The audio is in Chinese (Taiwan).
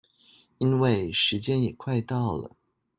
因為時間也快到了